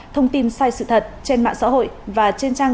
thông tin sai sự thật trên mạng xã hội